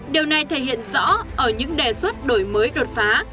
điều này thể hiện rõ ở những đề xuất đổi mới đột phá